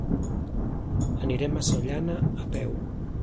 Anirem a Sollana a peu.